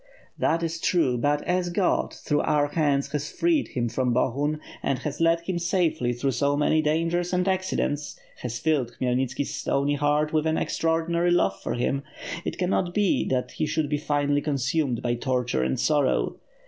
"That is true, but, as God, through our hands, has freed him from Bohun and has led him safely through so many dangers and accidents; has filled Khmyelnitski's stony heart with an extraordinary love for him; it cannot be that he should be finally consumed by torture and sorrow.